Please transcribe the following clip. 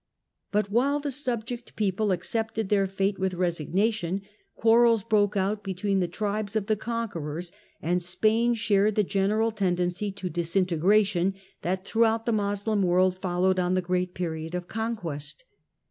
But while the subject people accepted their fate with re ignation, quarrels broke out between the tribes of the onquerors, and Spain shared the general tendency to lisintegration that throughout the Moslem world fol pwed on the great period of conquest.